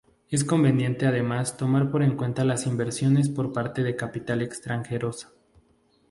Es conveniente además tomar en cuenta las inversiones por parte de capital extranjeros.